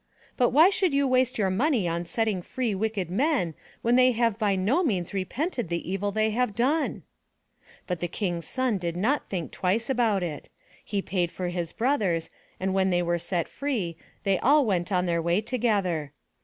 "But why should you waste your money on setting free wicked men when they have by no means repented the evil they have done?*' But the King's son did not think twice about it. He paid for his brothers and when they were set free, they all went on their way together.